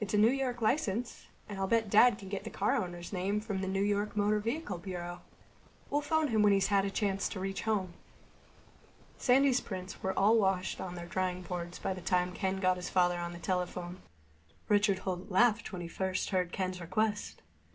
"It's a New York license. And I'll bet Dad can get the car owner's name from the New York Motor Vehicle Bureau. We'll phone him when he's had a chance to reach home." Sandy's prints were all washed and on their drying boards by the time Ken got his father on the telephone. Richard Holt laughed when he first heard Ken's request.